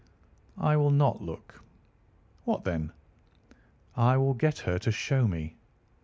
"I will not look." "What then?" "I will get her to show me."